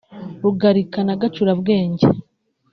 Rugarika na Gacurabwenge